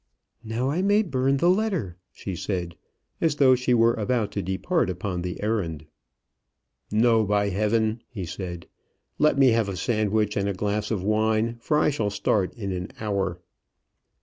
"Now I may burn the letter," she said, as though she were about to depart upon the errand. "No, by heaven!" he said. "Let me have a sandwich and a glass of wine, for I shall start in an hour."